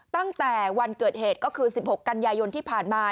ตั้งแต่วันเกิดเหตุก็คือ๑๖กันยายนที่ผ่านมา